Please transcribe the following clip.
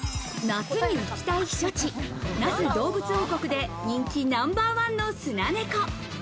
夏に行きたい避暑地、那須どうぶつ王国で人気ナンバーワンのスナネコ。